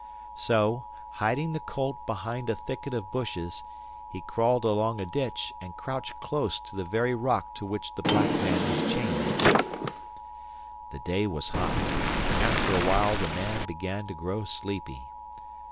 So, hiding the colt behind a thicket of bushes, he crawled along a ditch and crouched close to the very rock to which the black man was chained. The day was hot, and after a while the man began to grow sleepy.